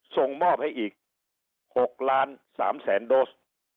ส่งมอบให้อีก๖๓ล้านโดส